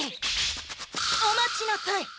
お待ちなさい！